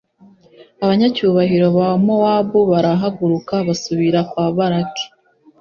abanyacyubahiro ba mowabu barahaguruka, basubira kwa balaki.